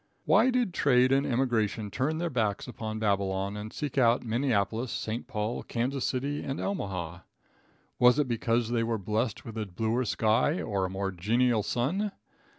Why did trade and emigration turn their backs upon Babylon and seek out Minneapolis, St. Paul, Kansas City and Omaha? Was it because they were blest with a bluer sky or a more genial sun?